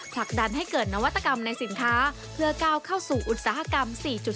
ผลักดันให้เกิดนวัตกรรมในสินค้าเพื่อก้าวเข้าสู่อุตสาหกรรม๔๐